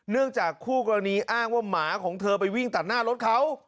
จากคู่กรณีอ้างว่าหมาของเธอไปวิ่งตัดหน้ารถเขา